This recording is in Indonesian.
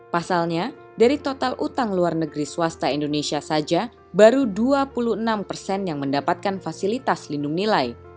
pasalnya dari total utang luar negeri swasta indonesia saja baru dua puluh enam persen yang mendapatkan fasilitas lindung nilai